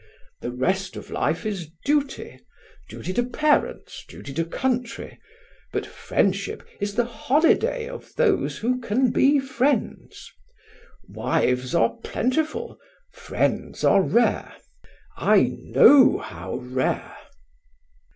The rest of life is duty; duty to parents, duty to country. But friendship is the holiday of those who can be friends. Wives are plentiful, friends are rare. I know how rare!"